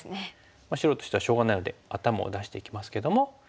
白としてはしょうがないので頭を出していきますけども。